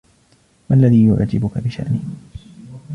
ما الذي يعجبك بشأني ؟